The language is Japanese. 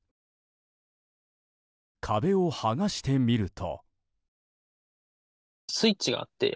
壁を剥がしてみると。